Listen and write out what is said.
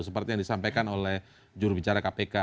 seperti yang disampaikan oleh jurubicara kpk